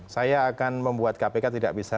saya akan membuat kpk tidak bisa